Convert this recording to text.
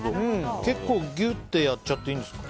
結構、ぎゅってやっちゃっていいんですか？